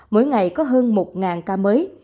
mỗi ngày có hơn một ca mới